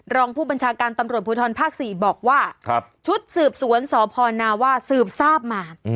รองผู้บัญชาการตำรวจภูทรภาค๔บอกว่าชุดสืบสวนสพนาว่าสืบทราบมา